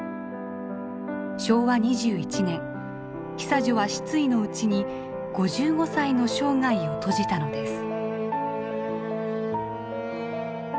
昭和２１年久女は失意のうちに５５歳の生涯を閉じたのです。